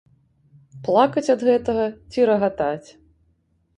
Плакаць ад гэтага, ці рагатаць?